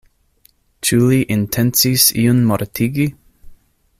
Ĉu li intencis iun mortigi?